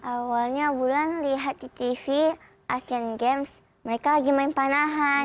awalnya bulan lihat di tv asean games mereka lagi main panahan